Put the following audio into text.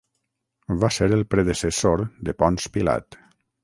Va ser el predecessor de Ponç Pilat.